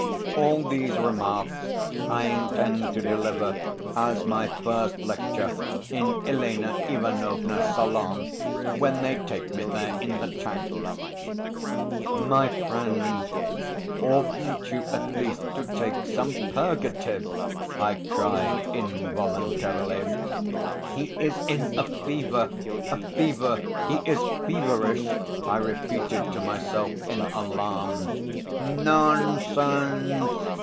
All these remarks I intend to deliver as my first lecture in Elena Ivanovna's salon when they take me there in the tank." "My friend, oughtn't you at least to take some purgative?" I cried involuntarily. "He is in a fever, a fever, he is feverish!" I repeated to myself in alarm. "Nonsense!"